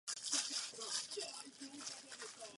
Tehdy mu císař udělil Řád Františka Josefa.